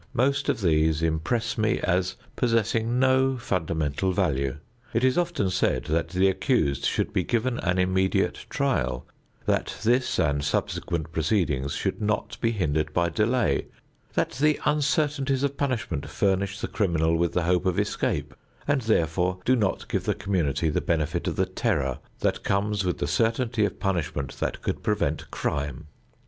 Most of these impress me as possessing no fundamental value. It is often said that the accused should be given an immediate trial; that this and subsequent proceedings should not be hindered by delay; that the uncertainties of punishment furnish the criminal with the hope of escape and therefore do not give the community the benefit of the terror that comes with the certainty of punishment that could prevent crime.